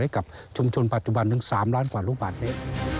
กับชุมชนปัจจุบันถึง๓ล้านกว่าลูกบาทเมตร